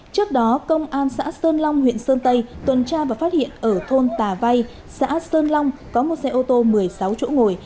trước đó công an xã sơn long huyện sơn tây tuần tra và phát hiện ở thôn tà vay xã sơn long có một xe ô tô một mươi sáu chỗ ngồi